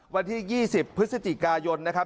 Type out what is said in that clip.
วันที่๒๐พฤศจิกายนนะครับ